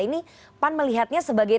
ini pan melihatnya sebagai